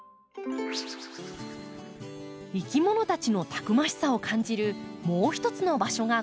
いきものたちのたくましさを感じるもう一つの場所がこちら。